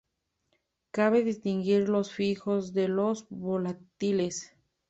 Cabe distinguir los fijos de los volátiles.